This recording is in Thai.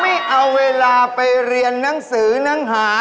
ไม่เอาเวลาไปเรียนหนังสือหนังหา